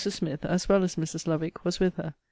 Smith, as well as Mrs. Lovick, was with her.